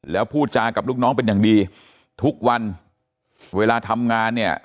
แล้วพูดจากับลูกน้องเป็นอย่างดีทุกวันเวลาทำงานเนี่ย